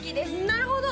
なるほど